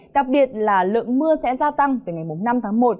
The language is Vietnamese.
đặc biệt là lượng mưa sẽ gia tăng từ ngày năm tháng một